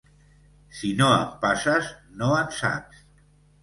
Si no en passes, no en saps.